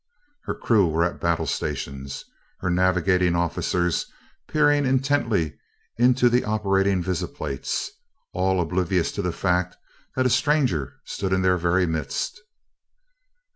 Her crew were at battle stations, her navigating officers peering intently into the operating visiplates, all oblivious to the fact that a stranger stood in their very midst.